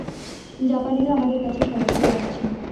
জাপানিরা আমাদের কাছে সরাসরি আসছে।